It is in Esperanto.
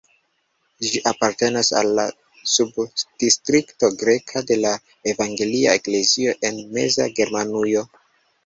Ĝi apartenas al la subdistrikto Gera de la Evangelia Eklezio en Meza Germanujo.